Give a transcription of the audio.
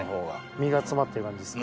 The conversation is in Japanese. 身が詰まってる感じですか？